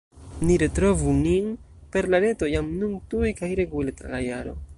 Ni retrovu nin per la Reto jam nun tuj kaj regule tra la jaro!